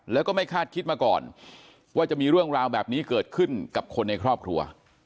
แล้วก็ไม่คาดคิดมาก่อนว่าจะมีเรื่องราวแบบนี้เกิดขึ้นกับคนในครอบครัว